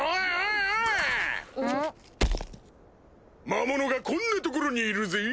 魔物がこんな所にいるぜ？